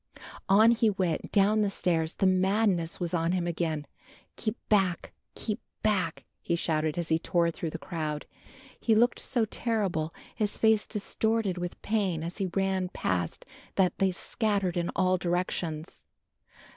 On he went, down the stairs, the madness was on him again. "Keep back, keep back," he shouted as he tore through the crowd. He looked so terrible, his face distorted with pain, as he ran past that they scattered in all directions.